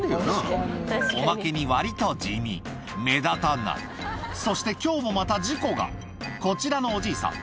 おまけに割と地味目立たないそして今日もまた事故がこちらのおじいさん